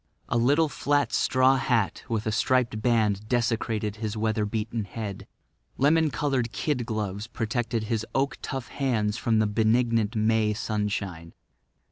A little flat straw hat with a striped band desecrated his weather beaten head. Lemon coloured kid gloves protected his oak tough hands from the benignant May sunshine.